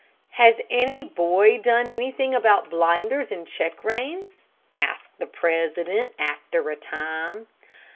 "Has any boy done anything about blinders and check reins?" asked the president, after a time.